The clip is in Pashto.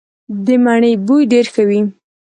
د مڼې بوی ډیر ښه وي.